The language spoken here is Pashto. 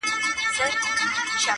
هم له جنډۍ، هم زیارتونو سره لوبي کوي٫